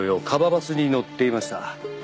ＫＡＢＡバスに乗っていました。